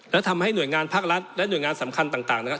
และทำให้หน่วยงานภาครัฐและหน่วยงานสำคัญต่างนะครับ